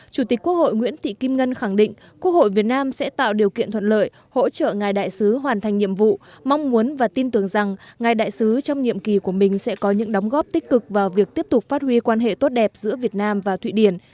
chủ tịch quốc hội nguyễn thị kim ngân khẳng định quốc hội việt nam sẽ tạo điều kiện thuận lợi hỗ trợ ngài đại sứ hoàn thành nhiệm vụ mong muốn và tin tưởng rằng ngài đại sứ trong nhiệm kỳ của mình sẽ có những đóng góp tích cực vào việc tiếp tục phát huy quan hệ tốt đẹp giữa việt nam và thụy điển